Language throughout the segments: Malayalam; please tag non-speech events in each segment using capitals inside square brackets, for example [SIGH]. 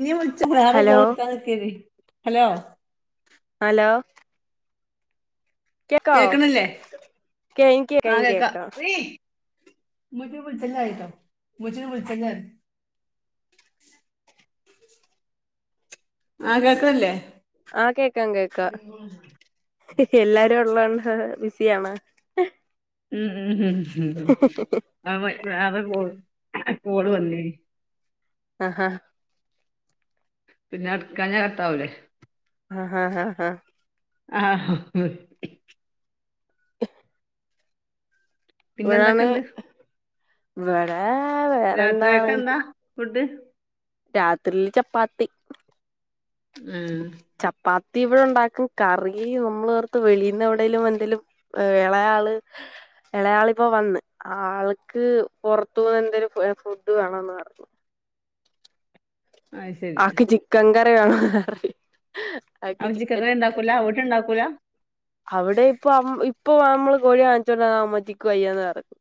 ഇനി വിളിച്ച് വേറെ ഹലോ കോള് ടുക്കാൻ നിക്കേഞ്ഞി ഹലോ. ഹലോ. കേക്കവോ കേക്കണില്ലേ കയ് കയ് കേക്കാം ഉമ്മച്ചിയേ വിളിച്ചല്ലേ പറയിട്ടോ ഉമ്മച്ചിനെ വിളിച്ചല്ലേ പറയ്. ആഹ്‌ കേൾക് ല്ലേ. ആഹ്‌ കേക്കാം കേക്കാം എല്ലാരും ഉള്ളണ്. അ ബിസിയാണോ? ഉം ഉം ഉം. ഉം അവൻ വേറെ കോൾ. ഇപ്പോ ഓള് വന്നിയിനി. ഹ ഹാഹ് പിന്നെ അടയ്ക്കഞ്ഞാ കട്ടാവൂലേ. ആഹ് ഹാ ഹാ ഹാ. ആഹ്‌. പിന്നെ എന്തൊക്കെ ണ്ട്. ഇവടെ. രാത്രിയേക്ക് എന്താ ഫുഡ്? [INAUDIBLE] രാത്രിയില് ചപ്പാത്തി. ഉം. ചപ്പാത്തി ഇവിടെ ഉണ്ടാക്കും കറി നമ്മള് വേർത്ത് വെളീന്ന് എവിടെലും എന്തേലും ഇളയാള് ഇളയാളിപ്പൊ വന്ന് ആള്ക്ക് പുറത്തുന്ന് എന്തെലും ഫെ ഫുഡ് വേണോന്ന് പറഞ് അത് ശരി ആക്ക് ചിക്കൻകറി വേണോന്ന് പറഞ്ഞു. ആൾക്ക് അപ്പൊ ചിക്കൻ കറി ഉണ്ടാക്കൂല ചിക്കൻകറി വീട്ടിൽ ഉണ്ടാക്കൂല അവിടെ ഇപ്പൊ അമ് ഇപ് ഇപ്പൊ നമ്മള് കോഴി വാങ്ങിച്ചോണ്ട് വന്നാ അമ്മച്ചിക്ക് വയ്യാന്ന് പറയും.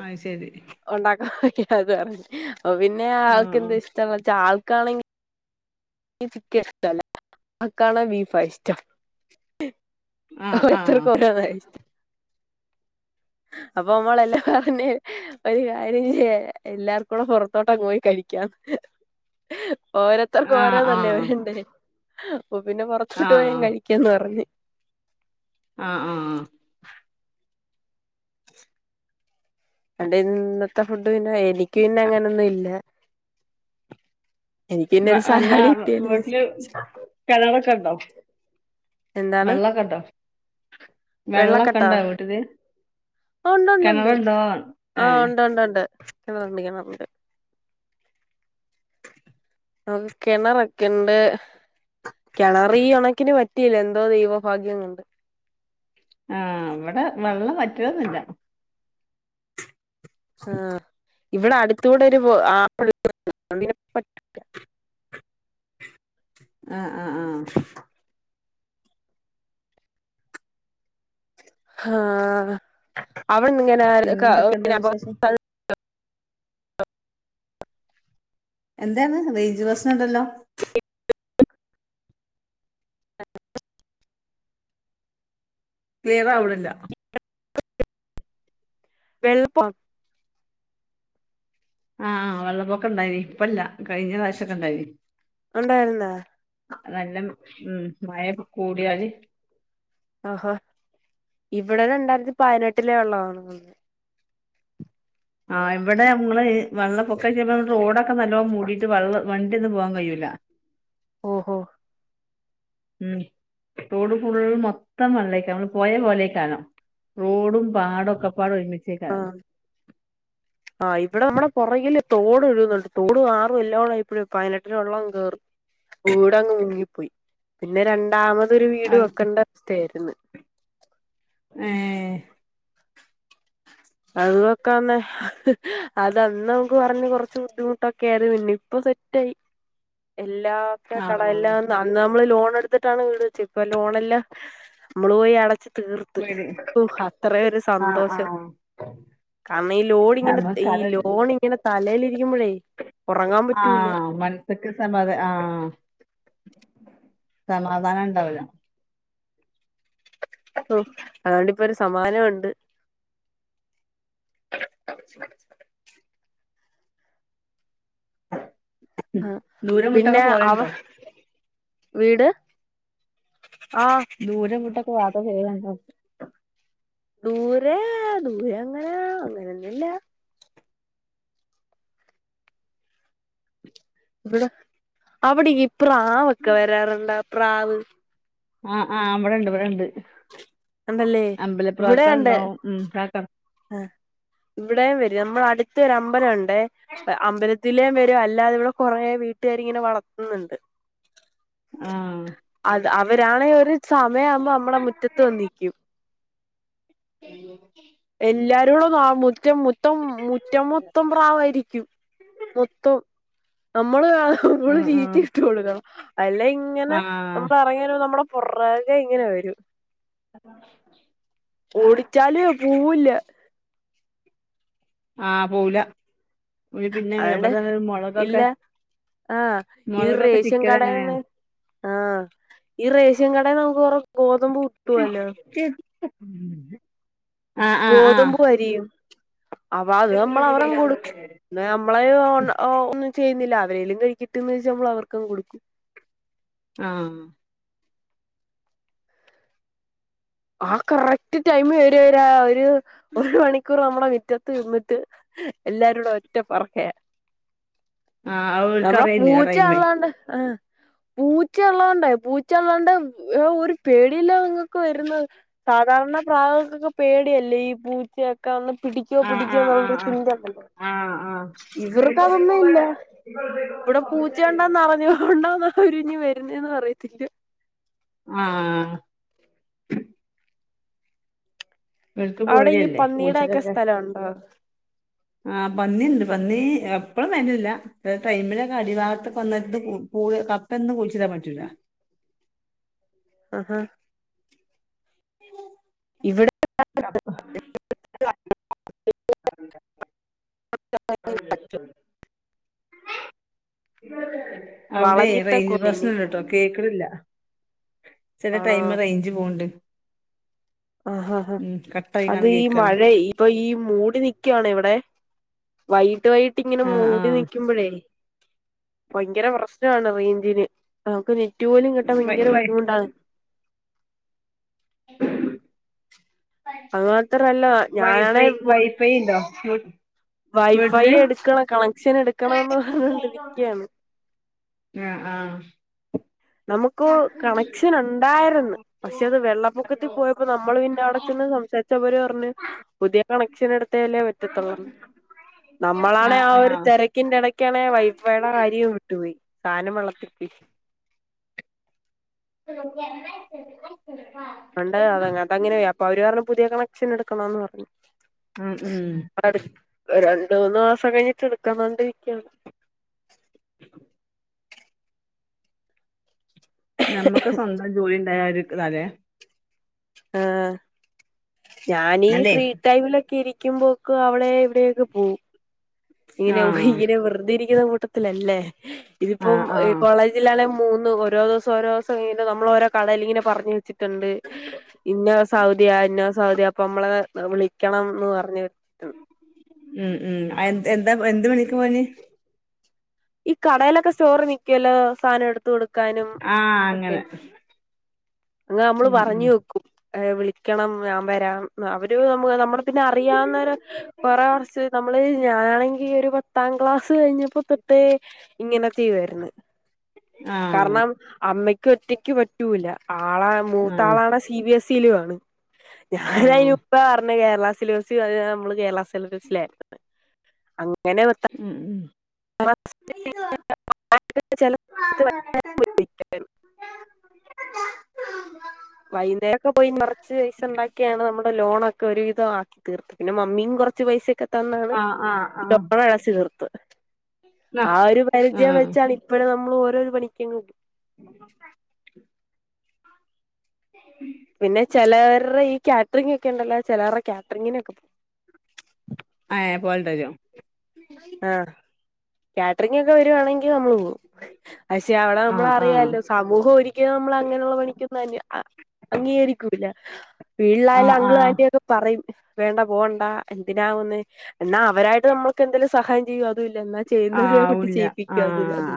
ആഹ്‌ ശരി. ഒണ്ടാക്കാൻ വയ് അത് പറഞ്ഞ്. ഓ പിന്നെ ആ ആൾക്കെന്താ ഇഷ്ടാന്ന് വെച്ചാ ആൾ കാണെങ്കി ചിക്കൻ ഇഷ്ട്ടല്ല ആ കാണ ബീഫാ ഇഷ്ടം ആ ആ ഓരോരുത്തർക്ക് ഓരോന്ന ഇഷ്ട്ടം അപ്പൊ നമ്മളെല്ലാ [UNINTELLIGIBLE] ഒരു കാര്യം ചെയ്യാം എല്ലാർക്കൂടെ പുറത്തോട്ടങ് പോയി കഴിക്കാം ഓരത്തർക്ക് ആ ആ ആ ഓരാന്നല്ലേ വേണ്ടേ പ്പ പിന്നെ പുറത്തോട്ട് ആ പോയങ്ങ് കഴിക്കന്ന് പറഞ്ഞ് ആ ആ ആ അന്റെ ഇന്നത്തെ ഫു ഡ് പിന്നെ എനിക്ക് പിന്നെ അങ്ങനൊന്നും ഇല്ല എനിക്ക് പിന്നെ വ ഒരു അല്ലാ സലാഡ് കിട്ടിയാല് വീട്ടില് കിണർ ഒക്കെണ്ടോ എന്താണ് വെള്ളമൊക്കെ വെള്ളക്കെട്ടോ ഉണ്ടോ വീട്ടില് ആ ഒണ്ട് ണ്ട് ണ്ട് കിണറുണ്ടോ ആ ഏ ഒണ്ട് ണ്ട് ഒണ്ട് കിണറുണ്ട് കിണറുണ്ട് അത് കിണറൊക്കെണ്ട് കിണറി ഉണക്കിന് വറ്റ് റ്റിയില്ല എന്തോ ദൈവഭാഗ്യം കൊണ്ട് ആ ഇവിടെ വെള്ളം വറ്റലോന്നില്ല ആ ഇവിടെ അടുത്തൂടെ ഒരു ആ [UNINTELLIGIBLE] പറ്റൂല്ല ആ ആ ആ ഹാ അവിടെ ന്നിങ്ങനെ പിന്നെന്തൊക്കെയുണ്ട് വിശേഷം [UNINTELLIGIBLE] എന്താണ് റേഞ്ച് പ്രശ്നം എണ്ടല്ലോ [UNINTELLIGIBLE] [UNINTELLIGIBLE] ക്ലിയർ ആവണില്ല [UNINTELLIGIBLE] വെള്ളപ്പം ആഹ് വെള്ളപ്പൊക്ക ഇണ്ടായിന് ഇപ്പല്ല കഴിഞ്ഞ പ്രാവശ്യംഒക്കെ ഇണ്ടായിന് ഉണ്ടാവലണ്ട നല്ല ഉം മഴ കൂടിയാല് ഒഹോ ഇവിടെ രണ്ടായിരത്തി പയനെട്ടിലെ ഒള്ളതാണ് അന്ന് ആ ഇവിടെ നമ്മങ്ങള് വെള്ള പൊക്ക റോഡൊക്കെ നല്ലോ മൂടിട്ട് വെള്ള വണ്ടി ഒന്ന് പോവാൻ കഴിയൂല ഓഹോ ഉം റോഡ് ഫുള്ള് മൊത്തം വെള്ളം അരിക്കും നമ്മള് പോയേ പോലേക്കാലോ റോടും പാടൊക്കെ ആഹ ആ ഇവിടെ നമ്മടെ പുറകിലെ തോട് ഒഴുകുന്നുണ്ട് തോടും ആറും എല്ലാം ഉള്ള ഇപ്പഴു പതിനെട്ടിലെ വെള്ളം കേറും ഊടങ്ങ് മുങ്ങി പോയി പിന്നെ രണ്ടാമതെ തൊരു വീട് വെക്കണ്ട വസ്ഥയാരുന്നു ഏ അത് വെക്കാന്നെ അതന്ന് നമുക്ക് പറഞ്ഞ് കൊറച്ച് ബുദ്ധിമുട്ടൊക്കെയാരുന്നു പിന്നി പ്പൊസെറ്റായി ഇല്ലാത്ത ആഹ് കടെല്ലാം തന്നും നമ്മള് ലോണെടുത്തിട്ടാണെ വീട് വച്ചെ ഇപ്പ ലോണല്ലാം നമ്മളു പോയി അടച്ച തീർത്തു ഓ അത്രയൊരു ആഹ് സന്തോഷം ആഹ് കാമീ ഈ ലോണിങ്ങനെ നമ്മക്ക് ഈ അതല്ല ലോണിങ്ങനെ തലേലിരിക്കുമ്പഴേ ഉറങ്ങാൻ പറ്റൂല സക്കിസമതെ ആ സമാധാനം ഉണ്ടാവൂല ഓ അതുകൊണ്ടിപ്പൊരു സമാധാനം ഉണ്ട് അ [UNINTELLIGIBLE] ആ [UNINTELLIGIBLE] ആ പിന്നെ അവ വീട് ആ ദൂര ദൂർ തക്ക വത്ത ഫേ [UNINTELLIGIBLE] ദൂരെ ദൂരെ അങ്ങനെ അങ്ങനൊന്നി ല്ല ഇവിടെ അവിടീ പ്രാവൊക്കെ വരാറുണ്ടോ പ്രാവ് ആ ആ ഇവിടുണ്ട് ഇവിടുണ്ട് ഉണ്ടല്ലേ ഇവിടേംണ്ട് ഉം പ്രാക്കൾ ആ ഇവിടെ വച് നമ്മളടുത്തൊരമ്പലം ഉണ്ട് ലേ അമ്പലത്തിലെ മെ അല്ലാതെ ഇവിടെ കൊറേ വീട്ടുകാരി ങ്ങനെ വളർത്തുന്നുണ്ട് ആ അവരാളെ വച് ത് സമയമാവുമ്പോ നമ്മടെ മുറ്റത്ത് വന്നിക് എല്ലാരോളും ആ മുറ്റം മുത്തം മുറ്റം മൊത്തം പ്രാവായിരിക്കും മൊത്തോം നമ്മള് ആ മ്മള് ആഹ് ആഹ് തീറ്റിട്ടു കൊടുക്കണം അല്ലെ ഇങ്ങനെ ആഹ് നമ്മൾ ഇറങ്ങി വരുമ്പം നമ്മടെ കൊറേ അല്ലെ ഇങ്ങനെ വരൂ ഓടിച്ചാലു പൂവൂലാ ആ പോവുലാ അതണ്ട് ഇല്ല ആഹ ഈ മുളകൊക്കെ റേഷ്യൻ ചിക്കല് എങ്ങനെ കടേന്ന് ആഹ ഈ റേഷ്യൻ കട നമുക്ക് കൊറ ഗോതമ്പ് കട്ടുവല്ലോ ആഹ് ആഹ് ഗോതമ്പും അരിയും അപ്പ അത് നമ്മള അവര കൊടുക്കും ആഹ് പിന്ന നമ്മള ഒ ചെയ്യുന്നില്ല അവരെേലും കഴിക്കിട്ടന്ന് വെച്ചാ നമ്മൾ അവർക്കങ്ങ് കൊടുക്കും ആഹ ആ കറക്റ്റ് ടൈമ വരേ ര ഒരു ഒരു മണിക്കൂർ നമ്മടെ വി മുറ്റത്ത് നിന്നിട്ട് എല്ലാരോട ഒറ്റ പറക്കയാ ആഹ് അത് നമ്മളെ ഓൽക്കറിയേനി ആ പൂച്ച ടൈമേ ഉള്ളോണ്ട് ആ പൂച്ചയുള്ളോണ്ട പൂച്ചയുള്ളോണ്ട് ഒരു പേടില്ല നിങ്ങക്ക് വരുന്നത് സാധാരണ പ്രാവൊക്കെ പേടിയല്ലേ ഈ പൂച്ചയക്കെ ക്കെന്ന് പിടിക്കോ ആഹ് പിടിക്കോ ആഹ് എന്നുള്ളരു ആഹ് ആഹ് ചിന്തണ്ടല്ലോ ആഹ് ഇവർക്കതൊന്നുല്ല ആഹ് ഇവിടെ പൂച്ച ഉണ്ടന്ന് അർഞ്ഞ കൊണ്ടന്ന ഒരുഞ് വരുന്നേ പറയത്തില്ല ആഹ [INAUDIBLE] അവിടെ ഈ പേടിയല്ലേ പന്നീടെക്കെ സ്ഥലവുണ്ടോ ആഹ പന്നി ഉണ്ട് പന്നി എപ്പഴും വര്ലിരില്ല ടൈമിലൊക്കെ അടിഭാഗത്തൊക്കെ വന്ന് കൂ കപ്പൊന്നും കുഴിച്ചിടാൻ പറ്റൂല ആഹാ [UNINTELLIGIBLE] ഇവിടെ കപ്പ [UNINTELLIGIBLE] [UNINTELLIGIBLE] അവിടെ വളഞ്ഞിട്ട റേഞ്ച് കുന്നിനി പ്രശ്നണ്ട്ട്ടോ കേക്ക്ണില്ല ചില ടൈമ റേഞ്ച് പോവണ്ട് ആഹഹാ ഹാ അത് കട്ടായിക്കാണ്ട് ഈ കേക്കാണ് മഴ ഇപ്പൊ ഈ മൂടി നിക്കാണ് ഇവിടെ വൈ ട്ട വൈകിട്ടിങ്ങനെ ആഹ് മൂടി ആഹ് നിക്കുമ്പഴേ ഭയങ്കര പ്രശ്നാണ് റേഞ്ചിന് നമക്കന പോലും കിട്ടാൻ വൈ ഭയങ്കര വൈ ബുദ്ധിമുട്ടാണ് [UNINTELLIGIBLE] അത് മാത്രല്ല ഞാനാണെ വൈഫൈ വൈഫൈണ്ടോ ശരി വൈഫൈ എടുക്കണം കണക്ഷൻ എടുക്കണോന്ന് പറഞ്ഞോണ്ട് നിക്കിയാണ് ആഹ് ആഹ് നമുക്ക് കണക്ഷൻ ഉണ്ടായിരുന്നു പക്ഷെ അത് വെള്ളപ്പൊക്കത്തിൽ പോയപ്പോ നമ്മൾ പിന്നെ അവിടെച്ചന്ന് സംസാരിച്ച് അവര് പറഞ്ഞ് പുതിയ കണക്ഷൻ എടുത്തേല്ലേ പറ്റത്തുള്ളന്ന് നമ്മളാണേ ആഹ് ആ ഒരു ആഹ് തെരക്കിന്റെ എടക്കാണേ വൈഫൈയുടെ കാര്യവും വിട്ടുപോയി സാനം വെള്ളത്തിൽ പോയി പണ്ട് അത് അങ്ങത്തങ്ങനെയാ അപ്പ അവര് പറഞ്ഞ് പുതിയ കണക്ഷൻ എടു ക്കണോന്ന് പറഞ്ഞു ഉം ഉം [UNINTELLIGIBLE] രണ്ട് മൂന്ന് മാസം കഴിഞ്ഞിട്ട് എടുക്കാന്ക്കണ്ടിരിക്കാണ് നമ്മക്ക് സ്വന്തം ജോലിണ്ടായ ഒര് ക്ക്താല്ലെ ആ ഞാനീ അല്ലേ ഫ്രീ ടൈമിലൊക്കെ ഇരി ക്കുമ്പോക്കെ അവിടെ ഇവിടെക്ക പോവും ഇങ്ങനെ ആഹ് ഉഹ്‌യ്യിനെ വെറുതെ ഇരി ഇയാ കൂട്ടത്തിലല്ലേ ഇതിപ്പം ആഹ് ആഹ് കോളേജിലാണെ മൂന്ന് ഓരോ ദിവസം ഓരോസം ഈ നമ്മളോരോ കടയിലിങ്ങനെ പറഞ്ഞ് വെച്ചിട്ടുണ്ട് ഇന്നോസം അവധിയാ ഇന്നോസം അവധിയാ അപ്പം അമ്മള് വിളിക്കണന്ന് പറഞ്ഞ് ഉം ഉം അന് എന്താ എന്ത് [UNINTELLIGIBLE] പണി ഈ കടേലൊക്കെ സ്റ്റോറി നിക്കല്ലോ സാനം എടുത്ത് കൊടു ആ അങ്ങനെ അത് നമ്മള് ഉം പറഞ്ഞു ഉം വെക്കും ഏ വിളിക്കണം ഞാൻ വരാം അവര് നമ്മള് നമ്മള പിന്നെ അറിയാവുന്നവര് കൊറെ വർസായ നമ്മളെ ഞാനാ ആണെങ്കിൽ ഒരു പത്താം ക്ലാസ് കഴിഞ്ഞ് ട്ട് ഇങ്ങനെ ചെയ്യുവാര്ന്ന് ആഹ് കാരണം അമ്മയ് ക്ക് ഒറ്റക്ക് പറ്റൂല ആ ആളെ മൂത്ത ആഹ് ആളാണെ സി ബി എസ് ഇലു വാണ് ആഹ് ഞാനയിന്പ്പഴാ അറ്ഞ്ഞെ കേ വാ സിലിബസി [UNINTELLIGIBLE] നമ്മള് കേരള സിലബസിലാര്ന്ന്‌ അങ്ങ് ഉം ഉം [UNINTELLIGIBLE] ച്ചാലും [UNINTELLIGIBLE] വൈന്നേരാെക്കെ പോയ് നറച്ച് പൈസണ്ടാക്കിയാണ് നമ്മൾ ലോണൊക്കെ ഒര് വിധം ആക്കി തീർത്ത് പിന്നെ മമ്മീം കൊറച്ച് പൈസെ ക്കെ തന്നാണ് ആഹ് ആഹ് ആഹ് ലോണടച്ച് തീർത്ത് ന്നാ ആ ഒര് പരിചയം ആഹ് വെച്ചാണ് ഇപ്പഴും നം ള് ഓരോരോ പണിക്ക്യങ്ങ് പിന്നെ ചെലവർടെ ഈ കാറ്ററിങ് ഒക്കെ ഒണ്ടല്ലോ ചെലവർടെ കാറ്ററിങ്ങിനാക്കെ പോം. ഏഹ് പോവല്ണ്ടായ്ന്യോ. ആഹ് കാറ്ററിംങ്ങ് ഒക്കെ വെരുവാണെങ്കി നമ്മള് പോവും. പശെ അവടെ നമ്മള ആഹ് ആഹ് അറിയാല്ലോ സമൂഹം ഒരിക്കലും നമ്മള് അങ്ങനെയുള്ള പണിക്കൊന്നും അന് അ അംഗീകരിക്കൂല്ലാ. വീട്ലായാലും ആഹ് അങ്കിളും ആഹ് ആന്റിയൊക്കെ പറയും. വേണ്ട പോവണ്ടാ എന്തിനാവുന്നേ എന്നാ അവരായിട്ട് നമ്മൾക്ക് എന്തേലും സഹായം ചെയ്യോ അതു ഇ ല്ല ന്നാ ചെയ്യ്ന്നവരെ യൊട്ടി ആവൂല്ല ചെയ്യിപ്പിക്ക്യോ അതൂ ഇല്ലാ. ആഹ്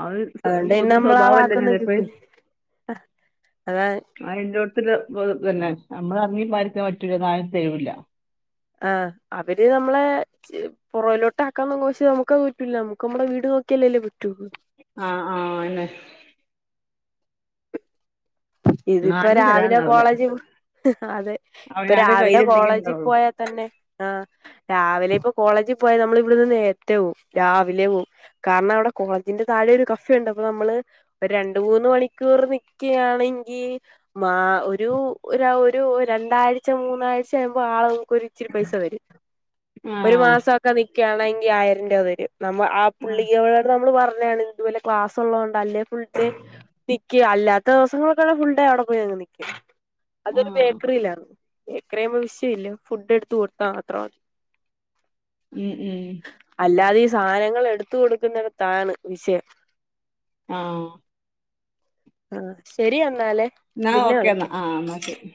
അഹ് സൊ പിന്നെ പൊതു നമ്മൾ ആ സ്വഭാവല്ലെ വാക്കൊന്നും കേക്കൂല [UNINTELLIGIBLE] അതാ അതെല്ലോട്ത്തൂല്ലെ പൊതു ഇതന്നെ. നമ്മള് എർങ്ങീ പോവായിരിക്കാൻ പറ്റുല്ലാ ഇന്നാ ആരും തെരുല്ലാ. ആഹ് അവര് നമ്മളെ ചെ പൊറൊവിലോട്ട് ആക്കാന്ന് നോക്കും. പഷെ നമുക്കത് പറ്റൂല്ലാ നമുക്ക് നമ്മടെ വീട് നോക്കിയാലല്ലേ പറ്റുള്ളൂ ആഹ് ആഹ് അഹന്നെ ഇതിപ്പോ നാട്ടില് രാവിലെ തരാണ്ടാവൂല കോളേജി [UNINTELLIGIBLE] അതെ ഇപ്പം അവനാന്റെ രാവിലെ കയ്യിലുണ്ടെങ്കി കോളേജി ഉണ്ടാവുള്ളു പോയാ തന്നെ ആഹ് രാവിലെ ഇപ്പോ കോളേജിൽ പോയാ നമ്മള് ഇവടെന്ന് നേരത്തെ പോവും രാവിലെ പോവും കാരണം അവടെ കോളേജിന്റെ താഴെ ഒര് കഫേ ഉണ്ട് അപ്പം നമ്മള് രണ്ട് മൂന്ന് മണിക്കൂർ നിക്കായാണെ ങ്കിൽ മാ ഒരു ഒരു ഒരു രണ്ടാഴ്ച, മൂന്നാഴ്ച കഴിയുമ്പോ ആവും അപ്പോ ഒരു ഇച്ചിരി പൈസ വരും ഒരു ആഹ് മാസവൊക്കെ നിക്കുവാണെങ്കി ആയിരം രൂപ വ നമ്മ ആ പുള്ളിയോട് നമ്മള് പറ ഞ്ഞതാണ് ഇത് പോലെ ക്ലാസ്സ് ഒള്ള കൊണ്ട് അല്ലേൽ ഫുൾടൈം നി ക്കും അല്ലാത്ത ദിവസ ങ്ങള് ഫുൾഡേ അവടെ പോയി അങ്ങ് നിക്കും അതൊരു ആഹ് ബേക്കറിലായിരുന്നു ഇത്രയും വിഷയം ഇല്ലാ ഫുഡ് എടുത്ത് കൊടുത്താ മാത്രം മതി ഉം ഉം അല്ലാതെ ഈ സാധനങ്ങള് എടുത്ത് കൊടുക്കുന്നിടത്താണ് വിഷയം ആഹ് ആ ശരി അ എന്നാ ഓക്കെ എന്നാ ആഹ് എന്നാ ശരി